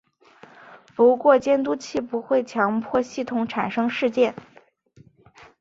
不过监督器不会强迫系统产生事件。